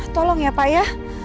tolong ya pak ya